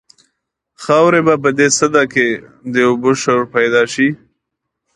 خاورې به په دې سده کې د اوبو شور پیدا شي.